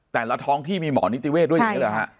แต่ละท้องที่มีหมอนิติเวทด้วยอย่างนี้เหรอฮะ